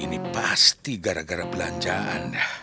ini pasti gara gara belanjaan